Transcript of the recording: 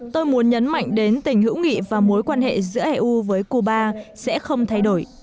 tôi muốn nhấn mạnh đến tình hữu nghị và mối quan hệ giữa eu với cuba sẽ không thay đổi